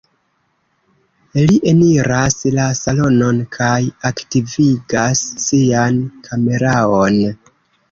Li eniras la salonon kaj aktivigas sian kameraon.